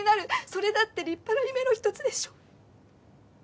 それだって立派な夢の一つでしょ？